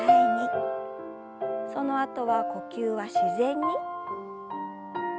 そのあとは呼吸は自然に。